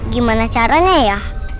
gimana caranya ya